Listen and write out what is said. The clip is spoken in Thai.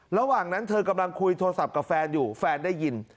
ระหว่างนั้นเธอกำลังคุยโทรศัพท์กับแฟนอยู่แฟนได้ยิน